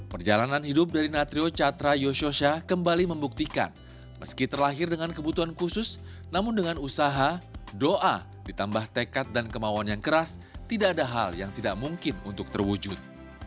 perjalanan hidup dari natrio catra yosyosha kembali membuktikan meski terlahir dengan kebutuhan khusus namun dengan usaha doa ditambah tekat dan kemauan yang keras tidak ada hal yang tidak mungkin untuk terwujud